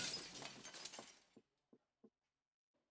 Ongeza unga wa karanga kwenye unga wa mahindi au ulezi